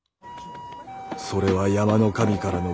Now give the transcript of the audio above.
それは山の神からの罰。